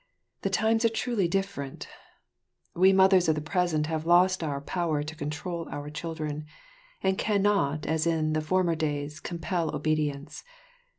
The times are truly different; we mothers of the present have lost our power to control our children, and cannot as in former days compel obedience.